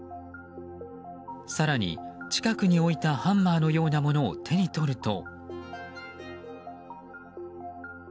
更に、近くに置いたハンマーのようなものを手に取ると。